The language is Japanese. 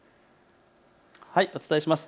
お伝えします。